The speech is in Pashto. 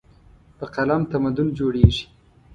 په قلم تمدن جوړېږي.